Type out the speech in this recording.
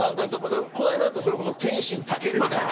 だからこの間だとそれこそ天心武尊みたいな。